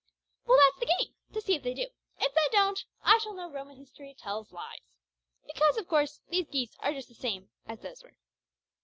"Well, that's the game to see if they do! If they don't, I shall know Roman history tells lies. Because, of course, these geese are just the same as those were."